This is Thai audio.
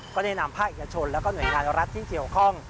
ก็ได้นำภาคเอกชนแล้วก็หน่วยงานรัฐที่เกี่ยวข้อง